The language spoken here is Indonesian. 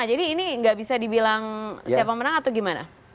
tiga lima jadi ini nggak bisa dibilang siapa menang atau gimana